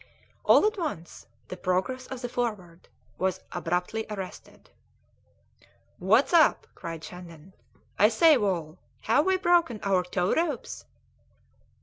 All at once the progress of the Forward was abruptly arrested. "What's up?" cried Shandon. "I say, Wall! have we broken our tow ropes?"